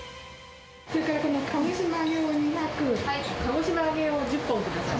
それからこの鹿児島揚げを鹿児島揚げを１０本ください。